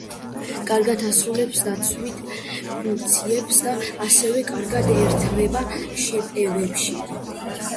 კარგად ასრულებს დაცვით ფუნქციებს და ასევე კარგად ერთვება შეტევებში.